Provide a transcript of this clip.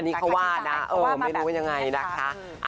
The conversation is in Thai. นี่เขาว่านะไม่รู้ว่ายังไงนะคะ